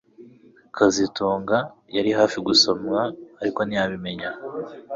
kazitunga yari hafi gusomwa ariko ntiyabimenya